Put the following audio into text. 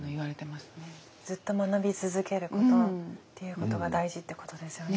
ずっと学び続けることっていうことが大事ってことですよね。